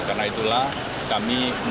karena itulah kami menanggung